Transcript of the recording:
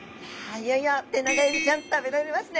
いよいよテナガエビちゃん食べられますね！